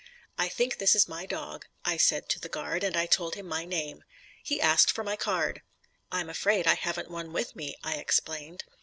"I think this is my dog," I said to the guard, and I told him my name. He asked for my card. "I'm afraid I haven't one with me," I explained.